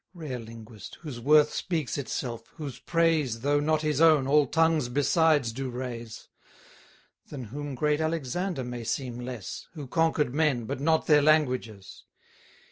Rare linguist, whose worth speaks itself, whose praise, Though not his own, all tongues besides do raise: Than whom great Alexander may seem less, Who conquer'd men, but not their languages.